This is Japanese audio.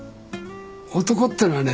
男ってのはね